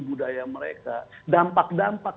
budaya mereka dampak dampak